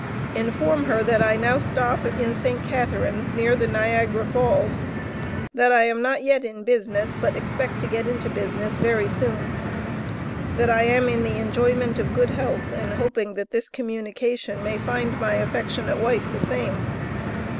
Inform her that I now stop in St. Catharines near the Niagara Falls that I am not yet in business but expect to get into business very soon That I am in the enjoyment of good health and hoping that this communication may find my affectionate wife the same.